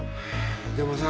でもさ